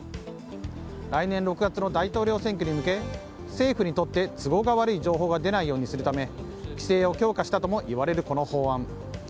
来年６月の大統領選挙に向け政府にとって都合が悪い情報が出ないようにするため規制を強化したともいわれるこの法案。